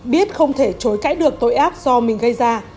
biết không thể chối cãi được tội ác do mình gây ra